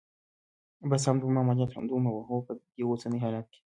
بس همدومره؟ عملیات همدومره و؟ هو، په دې اوسني حالت کې.